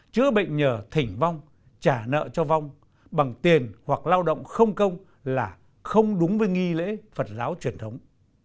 chữa bệnh nhờ thỉnh vong trả nợ cho vong bằng tiền hoặc lao động không công là không đúng với nghi lễ phật giáo truyền thống